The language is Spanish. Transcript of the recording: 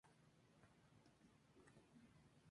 Sería convocado para disputar dicho torneo.